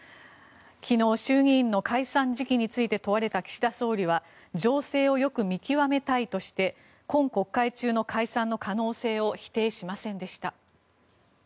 昨日、衆議院の解散時期について問われた岸田総理は情勢をよく見極めたいとして今国会中の解散の可能性を否定しませんでした。